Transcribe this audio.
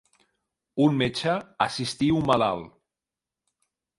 Un metge, assistir un malalt.